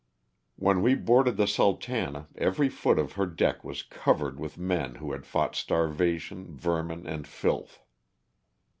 When we boarded the *' Sultana '^ every foot of her deck was covered with men who had fought starvation, vermin and filth.